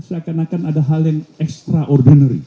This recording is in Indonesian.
seakan akan ada hal yang extraordinary